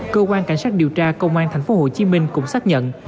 cơ quan cảnh sát điều tra công an thành phố hồ chí minh cũng xác nhận